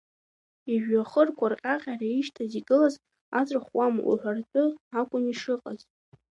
Ижәҩахырқәа рҟьаҟьара ишьҭахь игылаз аҵәахуама уҳәаратәы акәын ишыҟаз.